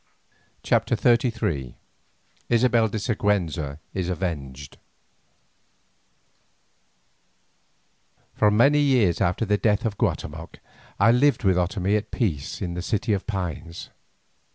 CHAPTER XXXIII ISABELLA DE SIGUENZA IS AVENGED For many years after the death of Guatemoc I lived with Otomie at peace in the City of Pines.